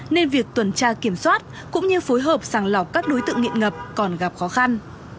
nên việc tuần tra kiểm soát cũng như phối hợp sàng lọc các đối tượng nghiện ngập còn gặp khó khăn